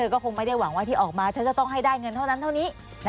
ก็คงไม่ได้หวังว่าที่ออกมาฉันจะต้องให้ได้เงินเท่านั้นเท่านี้